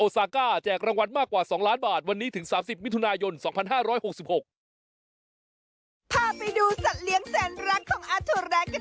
ไปชมกันในช่วงจแจ๊ะริมจ